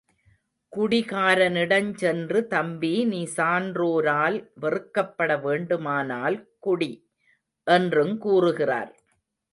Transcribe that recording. குடிகாரனிடஞ் சென்று, தம்பி நீ சான்றோரால் வெறுக்கப்பட வேண்டுமானால் குடி! என்றுங் கூறுகிறார்.